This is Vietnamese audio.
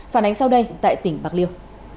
phản ánh sau đây tại tỉnh bạc liêu